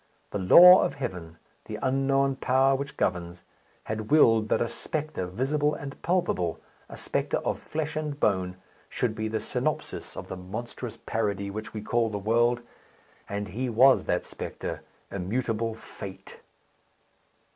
The law of heaven, the unknown power which governs, had willed that a spectre visible and palpable, a spectre of flesh and bone, should be the synopsis of the monstrous parody which we call the world; and he was that spectre, immutable fate!